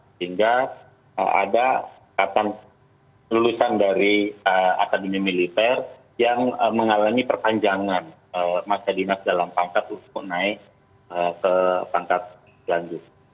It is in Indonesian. sehingga ada lulusan dari akademi militer yang mengalami perpanjangan masa dinas dalam pangkat untuk naik ke pangkat lanjut